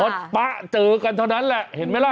ป๊ะเจอกันเท่านั้นแหละเห็นไหมล่ะ